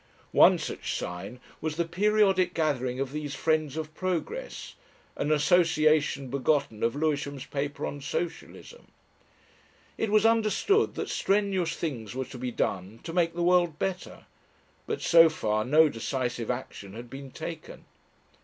One such sign was the periodic gathering of these "Friends of Progress," an association begotten of Lewisham's paper on Socialism. It was understood that strenuous things were to be done to make the world better, but so far no decisive action had been taken.